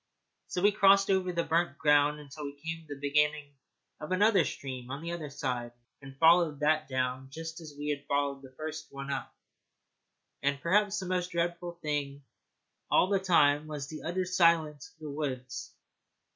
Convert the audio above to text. So we crossed over the burnt ground until we came to the beginning of another stream on the other side, and followed that down just as we had followed the first one up. And perhaps the most dreadful thing all the time was the utter silence of the woods.